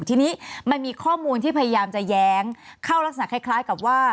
ทีนี้มันมีข้อมูลที่พยายามจะแย้งเข้ารักษณะคล้ายกับว่า